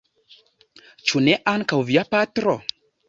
Ĉu ne ankaŭ via patro?